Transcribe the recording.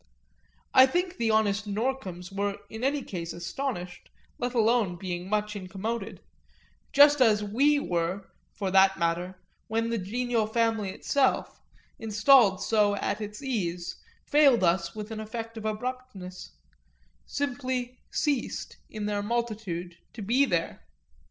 I think the honest Norcoms were in any case astonished, let alone being much incommoded; just as we were, for that matter, when the genial family itself, installed so at its ease, failed us with an effect of abruptness, simply ceased, in their multitude, to be there.